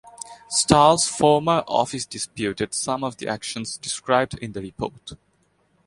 Stull’s former office disputed some of the actions described in the report.